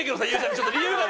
ちょっと理由が。